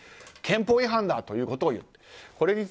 憲法違反だということを言っている。